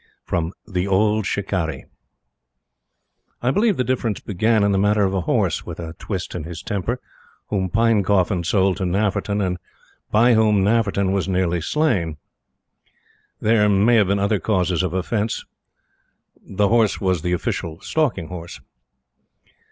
The Old Shikarri. I believe the difference began in the matter of a horse, with a twist in his temper, whom Pinecoffin sold to Nafferton and by whom Nafferton was nearly slain. There may have been other causes of offence; the horse was the official stalking horse.